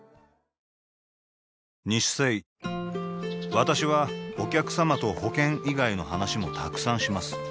私はお客様と保険以外の話もたくさんします